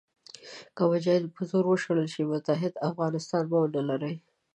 که مجاهدین په زور وشړل شي متحد افغانستان به ونه لرئ.